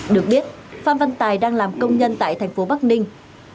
được biết phan văn tài đang làm công nhân tại thành phố bắc ninh